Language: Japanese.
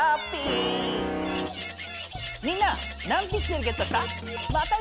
みんな何ピクセルゲットした？